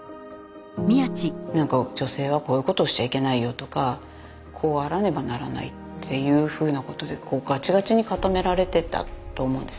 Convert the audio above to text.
なんか女性はこういうことしちゃいけないよとかこうあらねばならないっていうふうなことでがちがちに固められてたと思うんです